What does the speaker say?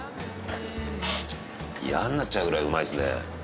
嫌になっちゃうぐらいうまいですね。